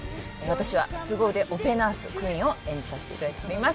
私は凄腕オペナースクイーンを演じさせていただいております